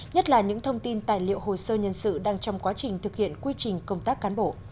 nhất là những thông tin tài liệu hồ sơ nhân sự đang trong quá trình thực hiện quy trình công tác cán bộ